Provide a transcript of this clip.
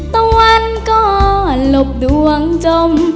ตะวันก็หลบดวงจม